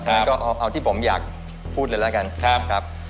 ทีนี้ก็เอาที่ผมอยากพูดเลยแล้วกัน